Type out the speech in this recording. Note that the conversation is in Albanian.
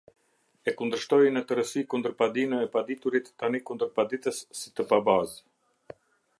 E kundërshtoi në terësi kundërpadinë e paditurit tani kundërpaditës si të pa bazë.